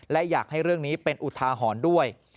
และอยากให้เรื่องนี้เป็นอุทาหรณ์ด้วย